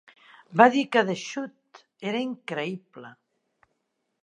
Va dir que "The shoot" era increïble.